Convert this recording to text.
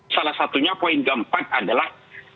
salah satunya poin keempat adalah